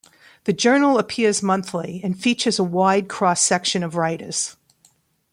The journal appears monthly, and features a wide cross-section of writers.